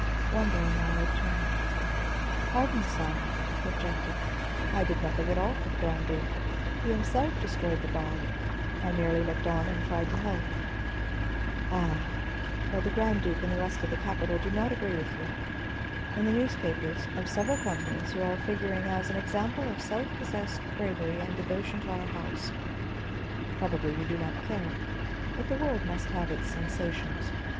Wondering, Allard turned. "Pardon, sire," he objected, "I did nothing at all for the Grand Duke. He himself destroyed the bomb; I merely looked on and tried to help." "Ah? Well, the Grand Duke and the rest of the capital do not agree with you. In the newspapers of several continents you are figuring as an example of self possessed bravery and devotion to our house; probably you do not care, but the world must have its sensations.